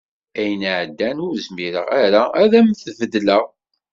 Ayen iɛeddan ur zmireɣ ara ad am-t-tbeddleɣ